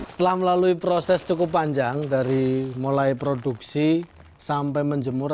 setelah melalui proses cukup panjang dari mulai produksi sampai menjemur